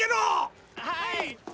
はい！